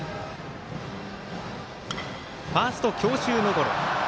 ファースト、強襲のゴロ。